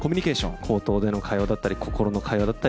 口頭での口頭での会話だったり、心の会話だったり。